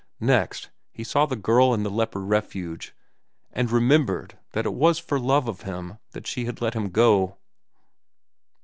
Next, he saw the girl in the leper refuge and remembered it was for love of him that she had let him go.